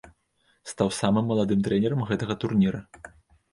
Стаў самым маладым трэнерам гэтага турніра.